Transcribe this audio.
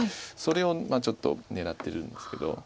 それをちょっと狙ってるんですけど。